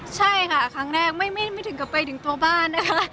ใช่ค่ะครั้งแรกไม่ถึงกลับไปถึงตัวบ้านนะคะ